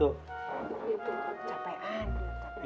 iya pak capekan